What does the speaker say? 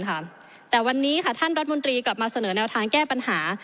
แต่วันนี้ค่ะท่านรัฐมนตรีกลับมาเสนอแนวทางแก้ปัญหา